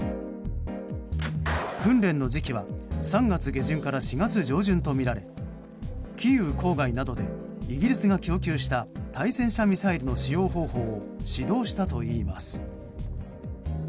訓練の時期は３月下旬から４月上旬とみられキーウ郊外などでイギリスが供給した対戦車ミサイルの使用方法を指導したといいます。